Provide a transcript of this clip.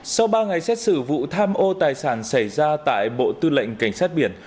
sau ba ngày xét xử vụ tham ô tài sản xảy ra tại bộ tư lệnh cảnh sát biển